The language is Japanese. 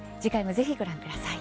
ぜひ、ご覧ください。